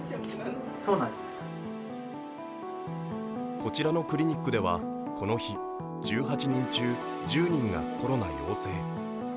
こちらのクリニックではこの日、１８人中１０人がコロナ陽性。